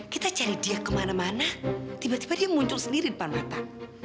kita cari dia kemana mana tiba tiba dia muncul sendiri di depan mata